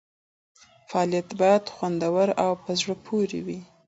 فعالیت باید خوندور او په زړه پورې وي.